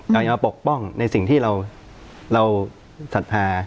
อยากมาปกป้องในสิ่งที่เราสัทธา